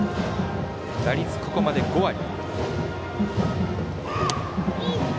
打率、ここまで５割。